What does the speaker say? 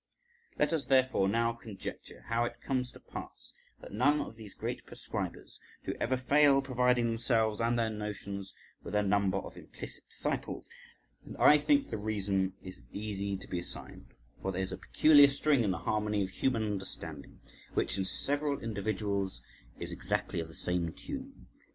Let us therefore now conjecture how it comes to pass that none of these great prescribers do ever fail providing themselves and their notions with a number of implicit disciples, and I think the reason is easy to be assigned, for there is a peculiar string in the harmony of human understanding, which in several individuals is exactly of the same tuning.